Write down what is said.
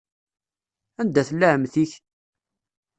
Anda tella ɛemmti-k?